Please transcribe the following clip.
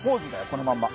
このまんま。